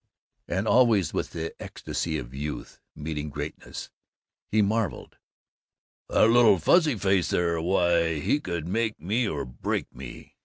And always, with the ecstasy of youth meeting greatness, he marveled, "That little fuzzy face there, why, he could make me or break me!